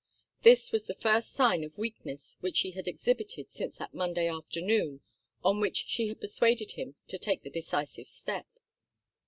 This was the first sign of weakness which she had exhibited since that Monday afternoon on which she had persuaded him to take the decisive step.